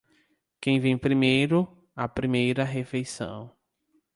Quem vem primeiro, a primeira refeição.